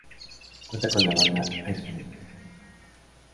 Cuenta con la banda Aerosmith.